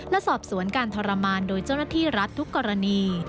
และสอบสวนการทรมานโดยเจ้าหน้าที่รัฐทุกกรณี